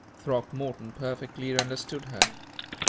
Throckmorton perfectly understood her.